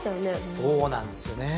そうなんですよね。